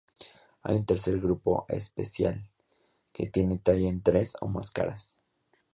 Hay un tercer grupo, especial, que tiene talla en tres o más caras.